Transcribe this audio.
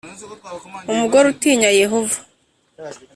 umugore utinya Yehova